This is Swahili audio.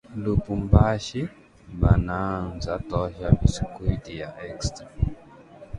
Lubumbashi banaanza tosha bisikuiti ya extra